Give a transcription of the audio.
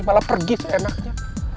malah pergi seenaknya